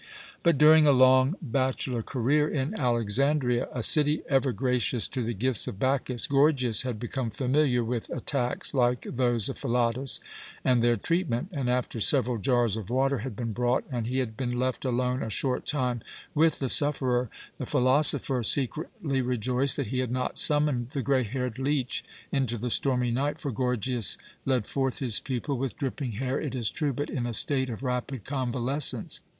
But, during a long bachelor career in Alexandria, a city ever gracious to the gifts of Bacchus, Gorgias had become familiar with attacks like those of Philotas and their treatment, and after several jars of water had been brought and he had been left alone a short time with the sufferer, the philosopher secretly rejoiced that he had not summoned the grey haired leech into the stormy night for Gorgias led forth his pupil with dripping hair, it is true, but in a state of rapid convalescence.